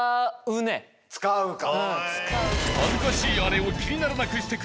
使うか。